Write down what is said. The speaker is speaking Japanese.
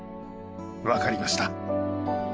分かりました。